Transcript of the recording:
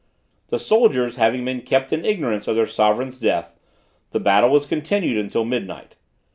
The soldiers having been kept in ignorance of their sovereign's death, the battle was continued until midnight.